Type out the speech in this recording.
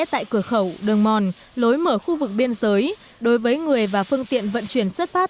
tại cửa khẩu đường mòn lối mở khu vực biên giới đối với người và phương tiện vận chuyển xuất phát